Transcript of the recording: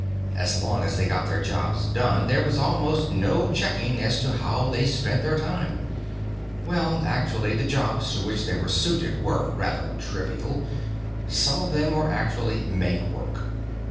As long as they got their jobs done there was almost no checking as to how they spent their time. Well, actually, the jobs to which they were suited were rather trivial some of them were actually "made work."